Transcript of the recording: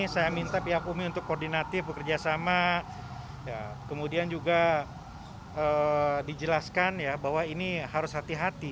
saya minta pihak umi untuk koordinatif bekerja sama kemudian juga dijelaskan ya bahwa ini harus hati hati